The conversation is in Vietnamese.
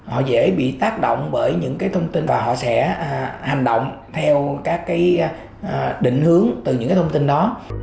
họ dễ bị tác động bởi những thông tin và họ sẽ hành động theo các định hướng từ những thông tin đó